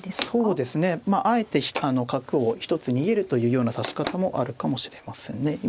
そうですねまああえて角を一つ逃げるというような指し方もあるかもしれませんね。